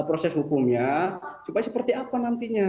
proses hukumnya supaya seperti apa nantinya